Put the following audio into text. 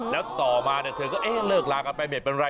แล้วต่อมาเนี่ยเธอก็เอ๊ะเลิกลากับแฟนเก่าเป็นไร